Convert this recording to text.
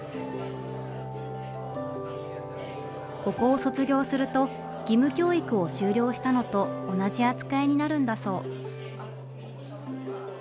ここを卒業すると義務教育を修了したのと同じ扱いになるんだそう。